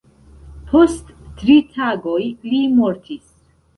Post tri tagoj li mortis.